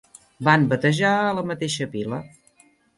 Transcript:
Van batejar a la mateixa pila